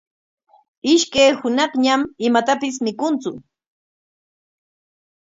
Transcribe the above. Ishkay hunaqñam imatapis mikuntsu.